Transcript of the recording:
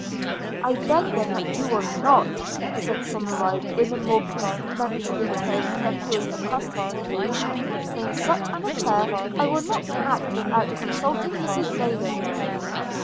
'I beg then that you will not,' said Somerive in a more peremptory tone than he was accustomed to use – 'In such an affair I will not act without consulting Mrs Rayland.'